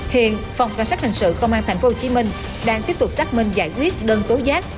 hiện phòng cảnh sát hình sự công an tp hcm đang tiếp tục xác minh giải quyết đơn tố giác